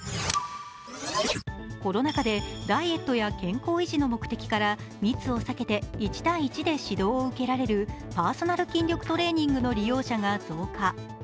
コロナ禍でダイエットや健康維持の目的から密を避けて１対１で指導を受けられるパーソナル筋力トレーニングの利用者が増加。